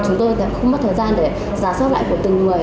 chúng tôi cũng không mất thời gian để giả sát lại của từng người nữa